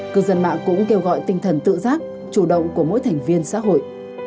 cư dân mạng cũng kêu gọi tinh thần tự giác chủ động của mỗi thành viên xã hội